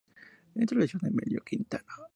Introducción de Emilio Quintana.